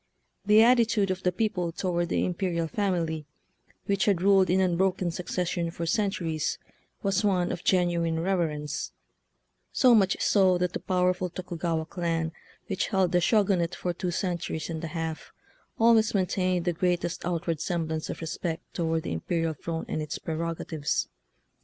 The attitude of the peo ple toward the imperial family, which had rilled in unbroken succession for cen turies, was one of genuine reverence — so much so that the powerful Tokugawa clan, which held the Shogunate for two centuries and a half, always maintained the greatest outward semblance of respect toward the imperial throne and its prerog atives.